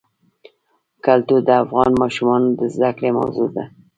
کلتور د افغان ماشومانو د زده کړې موضوع ده.